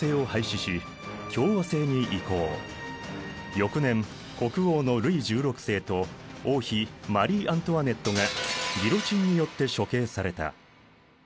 翌年国王のルイ１６世と王妃マリー・アントワネットがギロチンによって処刑された。